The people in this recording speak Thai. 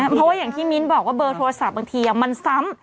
เพราะว่าอย่างที่มิ้นบอกว่าเบอร์โทรศัพท์บางทีมันซ้ำ